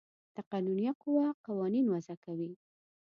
تقنینیه قوه قوانین وضع کوي.